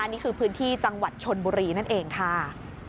นี่คือพื้นที่จังหวัดชนบุรีนั่นเองค่ะ